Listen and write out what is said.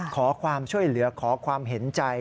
ขอความช่วยเหลือขอความเห็นใจ